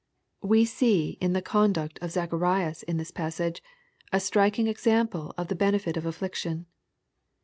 41 We eee in the conduct of Zacharias in this passage, a striking example of the benefit of affliction.